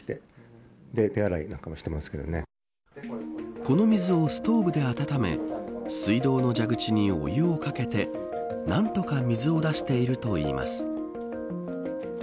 この水をストーブで温め水道の蛇口に、お湯を掛けて何とか水を出しているといいます。